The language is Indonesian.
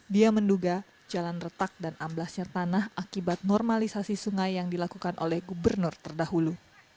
dia menduga jalan retak dan amblasnya tanah akibat normalisasi sungai yang dilakukan oleh gubernur terdahulu